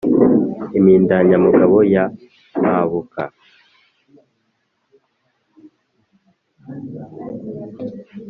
impindanyamugabo ya mpabuka,